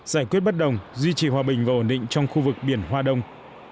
giải quyết bất đồng duy trì hòa bình và ổn định trong khu vực biển hoa đông